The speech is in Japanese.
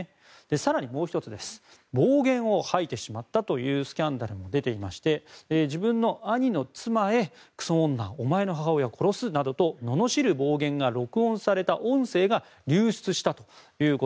更にもう１つ暴言を吐いてしまったというスキャンダルも出ていまして自分の兄の妻へ、クソ女お前の母親を殺すなどとののしる暴言が録音された音声が流出したと。